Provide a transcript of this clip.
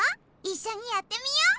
いっしょにやってみよう。